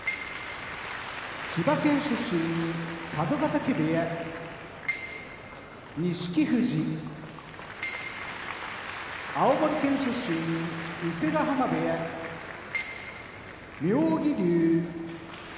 千葉県出身佐渡ヶ嶽部屋錦富士青森県出身伊勢ヶ濱部屋妙義龍